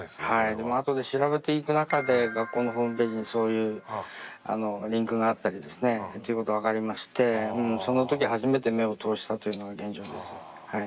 でも後で調べていく中で学校のホームページにそういうリンクがあったりですねっていうことが分かりましてその時初めて目を通したというのが現状ですはい。